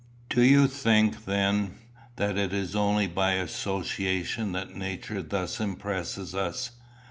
"Do you think, then, that it is only by association that nature thus impresses us?